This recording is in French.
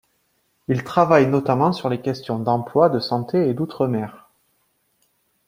Il travaille notamment sur les questions d'emploi, de santé, et d'outre-mer.